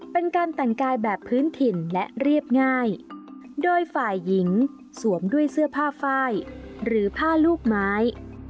เป็นการแต่งกายแบบพื้นถิ่นและเรียบง่ายโดยฝ่ายหญิงสวมด้วยเสื้อผ้าไฟหรือผ้าลูกไม้